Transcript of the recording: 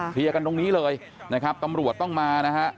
กันตรงนี้เลยนะครับตำรวจต้องมานะฮะ